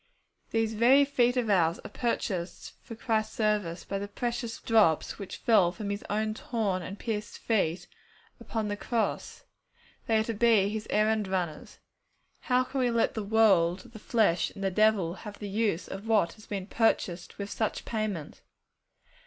These very feet of ours are purchased for Christ's service by the precious drops which fell from His own torn and pierced feet upon the cross. They are to be His errand runners. How can we let the world, the flesh, and the devil have the use of what has been purchased with such payment?